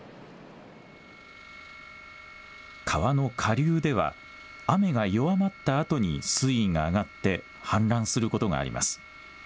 川の下流では雨が弱まったあとに水位が上がって氾濫することがあります。